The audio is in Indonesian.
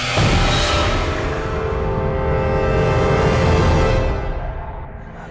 jangan bersinu nanti kita ketahuan